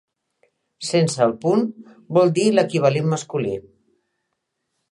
Sense el punt, vol dir l'equivalent masculí.